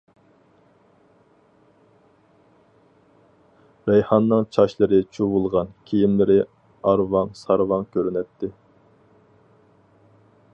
رەيھاننىڭ چاچلىرى چۇۋۇلغان، كىيىملىرى ئارۋاڭ-سارۋاڭ كۆرۈنەتتى.